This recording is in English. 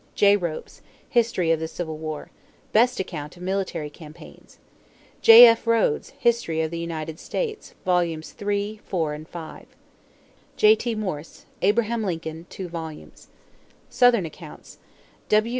J. Ropes, History of the Civil War (best account of military campaigns). J.F. Rhodes, History of the United States, Vols. III, IV, and V. J.T. Morse, Abraham Lincoln (2 vols.). SOUTHERN ACCOUNTS W.